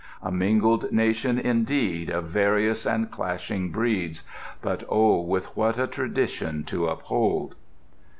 A mingled nation, indeed, of various and clashing breeds; but oh, with what a tradition to uphold!